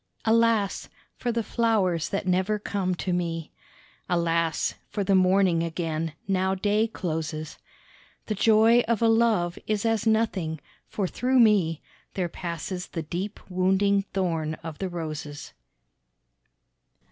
Alas! for the flowers that never come to me; Alas! for the morning again, now day closes; The joy of a love is as nothing, for through me There passes the deep wounding thorn of the roses.